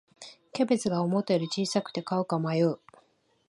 キャベツが思ったより小さくて買うか迷う